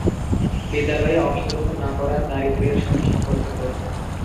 বিদ্যালয়ে অংশগ্রহণ না করা দারিদ্র্যের সাথে সম্পর্কিত।